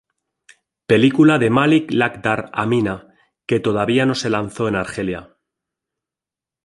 Película de Malik Lakdhar-Hamina que todavía no se lanzó en Argelia.